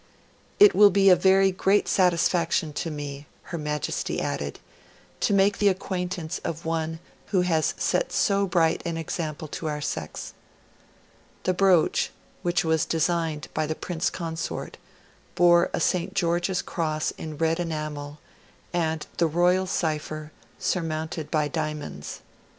'It will be a very great satisfaction to me,' Her Majesty added, 'to make the acquaintance of one who has set so bright an example to our sex.' The brooch, which was designed by the Prince Consort, bore a St. George's cross in red enamel, and the Royal cipher surmounted by diamonds.